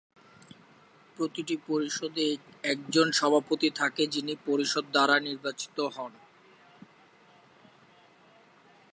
প্রতিটি পরিষদে একজন সভাপতি থাকে, যিনি পরিষদ দ্বারা নির্বাচিত হন।